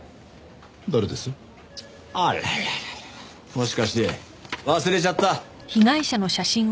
もしかして忘れちゃった？